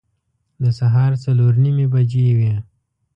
د سهار څلور نیمې بجې وې.